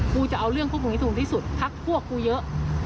กูจะเอาเรื่องพวกมึงให้ถูกที่สุดพักพวกกูเยอะ